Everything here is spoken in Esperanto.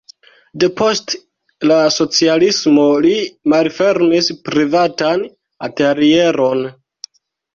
Depost la socialismo li malfermis privatan atelieron.